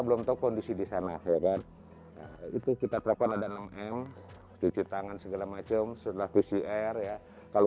belum tahu kondisi di sana heran itu kita terpang ada enam m cuci tangan segala macem sudah pcr ya kalau